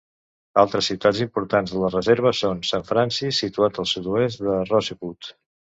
Altres ciutats importants de la reserva són Saint Francis, situat al sud-oest de Rosebud.